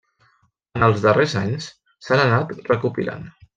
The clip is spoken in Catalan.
En els darrers anys s'han anat recopilant.